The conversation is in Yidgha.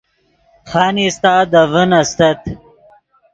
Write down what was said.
خانیستہ دے ڤین استت